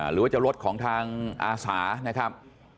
หรือว่าจะรถของทางอาสานะครับ